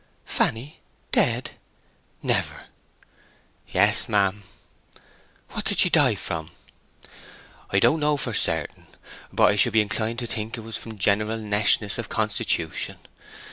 "Fanny dead—never!" "Yes, ma'am." "What did she die from?" "I don't know for certain; but I should be inclined to think it was from general neshness of constitution.